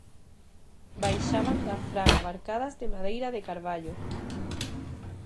Baixaban da fraga barcadas de madeira de carballo.